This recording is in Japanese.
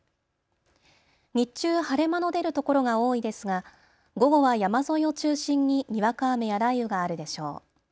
日中、晴れ間の出る所が多いですが午後は山沿いを中心ににわか雨や雷雨があるでしょう。